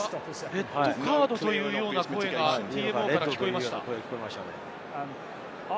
レッドカードというような声がＴＭＯから聞こえました。